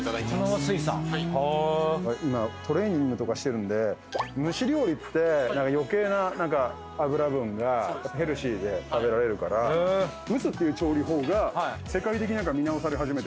今トレーニングとかしてるんで蒸し料理って余計な脂分がヘルシーで食べられるから蒸すっていう調理法が世界的に見直され始めてる。